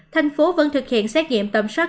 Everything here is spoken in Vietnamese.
thành phố vẫn thực hiện xét nghiệm tâm soát